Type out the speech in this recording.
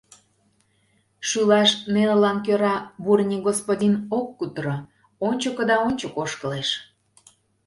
Шӱлаш нелылан кӧра Бурни господин ок кутыро, ончыко да ончыко ошкылеш.